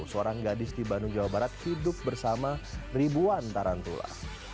seorang gadis di bandung jawa barat hidup bersama ribuan tarantula